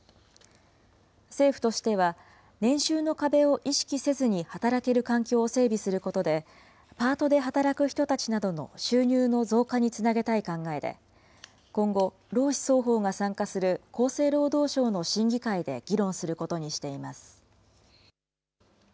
政府としては、年収の壁を意識せずに働ける環境を整備することで、パートで働く人たちなどの収入の増加につなげたい考えで、今後、労使双方が参加する厚生労働省の審議会で議論することにしています。